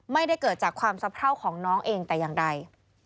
ไม่ได้เกิดจากความสะเพราของน้องเองแต่อย่างใด